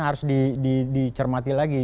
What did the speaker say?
harus dicermati lagi